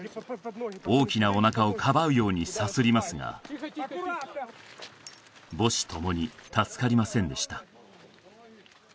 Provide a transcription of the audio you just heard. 大きなおなかをかばうようにさすりますが母子ともに助かりませんでした